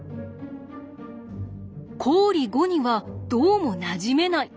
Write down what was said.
公理５にはどうもなじめない。